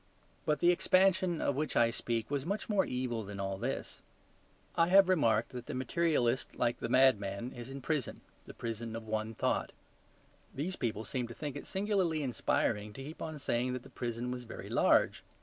But the expansion of which I speak was much more evil than all this. I have remarked that the materialist, like the madman, is in prison; in the prison of one thought. These people seemed to think it singularly inspiring to keep on saying that the prison was very large.